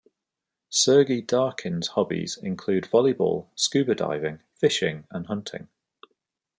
Sergey Darkin's hobbies include volleyball, scuba diving, fishing, and hunting.